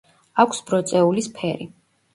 აქვს ბროწეულის ფერი.